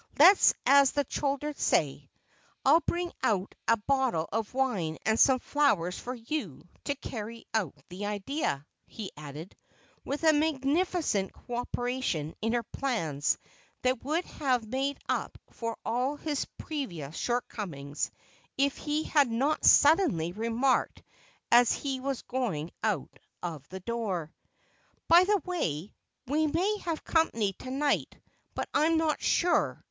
"Let's, as the children say. I'll bring out a bottle of wine and some flowers for you, to carry out the idea," he added, with a magnificent cooperation in her plans that would have made up for all his previous shortcomings if he had not suddenly remarked as he was going out of the door, "By the way, we may have company to night, but I'm not sure.